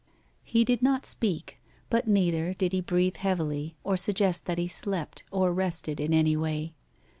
He did not speak, but neither did he breathe heavily, or suggest that he slept or rested in any way.